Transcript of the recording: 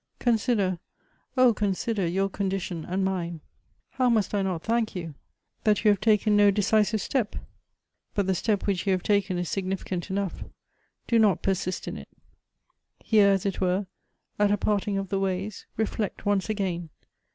" Consider, oh ! consider your condition and mine. How must I not thank you, that you have taken no decisive step! But the step which you have taken is significant enough. Do not persist in it. Here as it were, at a parting of the ways, reflect once again.